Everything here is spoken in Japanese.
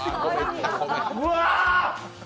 うわ！